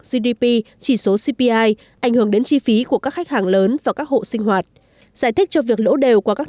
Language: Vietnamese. gdp chỉ số cpi ảnh hưởng đến chi phí của các khách hàng lớn và các hộ sinh hoạt